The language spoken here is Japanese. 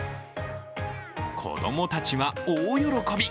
子供たちは大喜び。